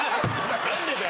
何でだよ。